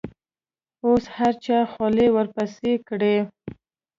اوس هر چا خولې ورپسې کړي.